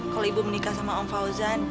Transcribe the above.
kalau ibu menikah sama om fauzan